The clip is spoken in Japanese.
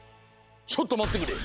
ちょっとまってくれ。